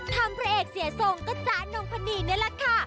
พระเอกเสียทรงก็จ๊ะนงพนีนี่แหละค่ะ